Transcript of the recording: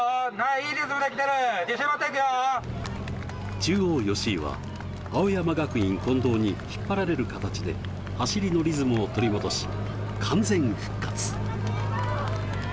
中央・吉居は、青山学院・近藤に引っ張られる形で、走りのリズムを取り戻し、完全復活。